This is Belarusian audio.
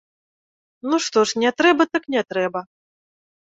Ну што ж, не трэба так не трэба.